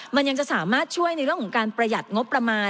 มันยังจะสามารถช่วยในเรื่องของการประหยัดงบประมาณ